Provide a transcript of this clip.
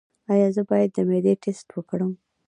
ایا زه باید د معدې ټسټ وکړم؟